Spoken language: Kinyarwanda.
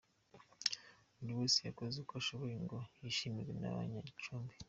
buri wese yakoze uko ashoboye ngo yishimirwe n’ abanya Gicumbi.